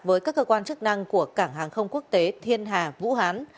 với các cơ quan chức năng của cảng hàng không quốc tế thiên hà vũ hán